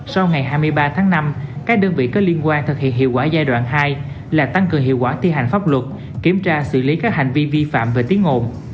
sau ngày hai mươi ba tháng năm các đơn vị có liên quan thực hiện hiệu quả giai đoạn hai là tăng cường hiệu quả thi hành pháp luật kiểm tra xử lý các hành vi vi phạm về tiếng ồn